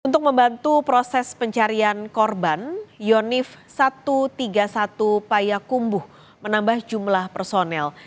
untuk membantu proses pencarian korban yonif satu ratus tiga puluh satu payakumbuh menambah jumlah personel